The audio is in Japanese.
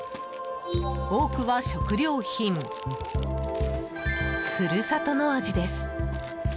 多くは食料品、故郷の味です。